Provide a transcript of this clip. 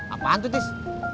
apaan tuh tis